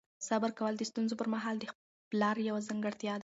صبر کول د ستونزو پر مهال د پلار یوه ځانګړتیا ده.